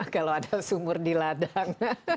kalau ada sumur di ladang